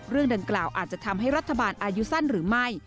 เรื่องดังกล่าวอาจจะทำให้รัฐบาลอายุสั้นหรือไม่